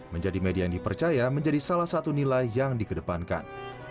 menjadi media yang dipercaya menjadi salah satu nilai yang dikedepankan